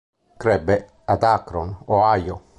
Crebbe ad Akron, Ohio.